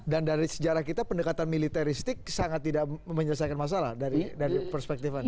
dan dari sejarah kita pendekatan militeristik sangat tidak menyelesaikan masalah dari perspektifannya